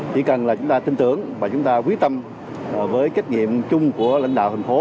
chỉ cần là chúng ta tin tưởng và chúng ta quyết tâm với trách nhiệm chung của lãnh đạo thành phố